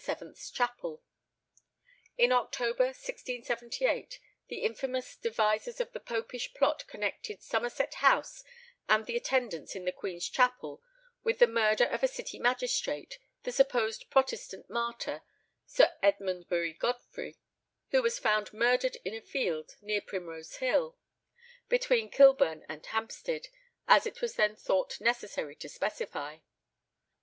's Chapel. In October 1678, the infamous devisers of the Popish plot connected Somerset House and the attendants in the Queen's Chapel with the murder of a City magistrate, the supposed Protestant martyr, Sir Edmondbury Godfrey, who was found murdered in a field near Primrose Hill, "between Kilburn and Hampstead," as it was then thought necessary to specify.